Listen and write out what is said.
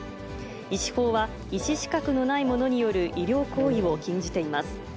医師法は医師資格のない者による医療行為を禁じています。